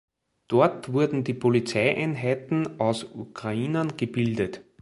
Dort wurden die Polizeieinheiten aus Ukrainern gebildet.